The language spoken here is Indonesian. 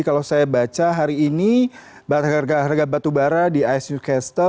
kalau saya baca hari ini harga harga batu bara di isu kastel